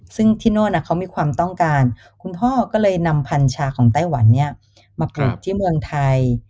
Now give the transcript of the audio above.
ซึ่งที่โน่นเขามีความต้องการคุณพ่อก็เลยนำพันชาของไต้หวันเนี่ยมาปลูกที่เมืองไทย